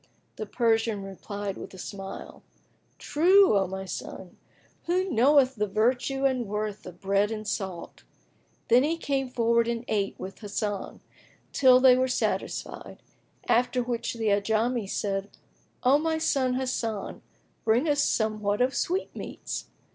The Persian replied with a smile, "True, O my son! Who knoweth the virtue and worth of bread and salt?"[FN#18] Then he came forward and ate with Hasan, till they were satisfied; after which the Ajami said, "O my son Hasan, bring us somewhat of sweetmeats."